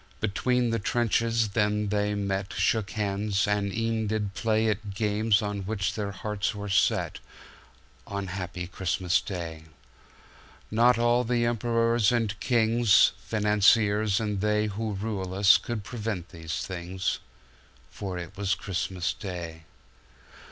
"Between the trenches then they met, Shook hands, and e'en did playAt games on which their hearts were setOn happy Christmas Day.Not all the emperors and kings, Financiers and theyWho rule us could prevent these things —For it was Christmas Day.